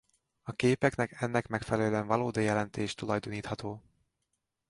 A képeknek ennek megfelelően valódi jelentés tulajdonítható.